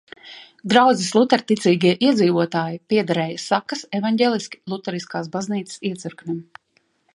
Draudzes luterticīgie iedzīvotāji piederēja Sakas evaņģeliski luteriskās baznīcas iecirknim.